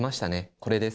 これです。